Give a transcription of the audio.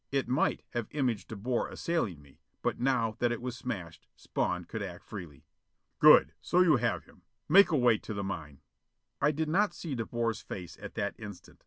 It might have imaged De Boer assailing me: but now that it was smashed, Spawn could act freely. "Good! So you have him! Make away to the mine!" I did not see De Boer's face at that instant.